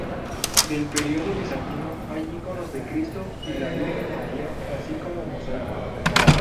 Del periodo bizantino hay iconos de Cristo y la Virgen María, así como mosaicos.